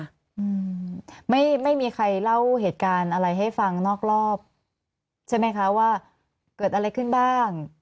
อืมไม่ไม่มีใครเล่าเหตุการณ์อะไรให้ฟังนอกรอบใช่ไหมคะว่าเกิดอะไรขึ้นบ้าง